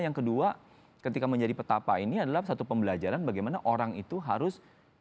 yang kedua ketika menjadi petapa ini adalah satu pembelajaran bagaimana orang itu harus